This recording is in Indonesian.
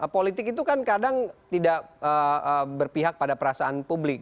politik itu kan kadang tidak berpihak pada perasaan publik